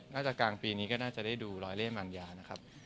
น่าจะกลางปีนี้ก็ได้ดูรอยเล่มอัญญานะครับ